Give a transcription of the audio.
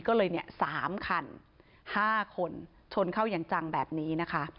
ก็เลยเนี่ย๓คัน๕คนชนเข้าอย่างจังแบบนี้นะคะ